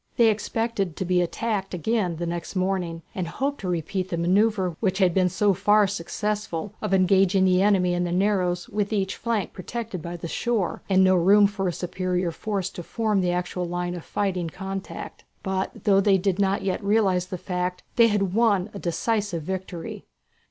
They expected to be attacked again next morning, and hoped to repeat the manoeuvre which had been so far successful, of engaging the enemy in the narrows with each flank protected by the shore, and no room for a superior force to form in the actual line of fighting contact. But though they did not yet realize the fact, they had won a decisive victory.